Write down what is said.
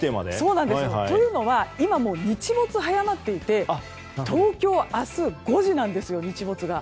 というのは今日没が早まっていて東京は明日、５時なんです日没が。